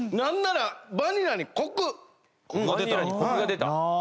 バニラにコクが出た？